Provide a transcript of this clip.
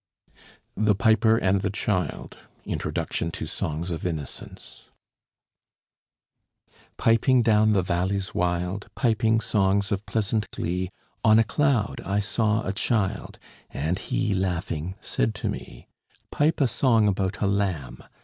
THE PIPER AND THE CHILD Introduction to 'Songs of Innocence' Piping down the valleys wild, Piping songs of pleasant glee, On a cloud I saw a child, And he laughing said to me: "Pipe a song about a lamb."